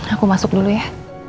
aku masuk dulu ya